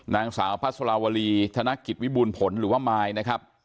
นางสาวพระสลาวรีธนกิจวิบูรณ์ผลหรือว่ามายนะครับ